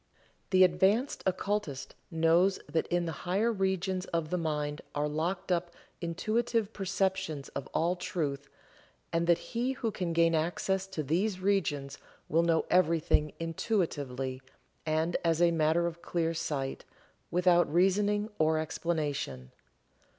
The advanced occultist knows that in the higher regions of the mind are locked up intuitive perceptions of all truth, and that he who can gain access to these regions will know everything intuitively, and as a matter of clear sight, without reasoning or explanation.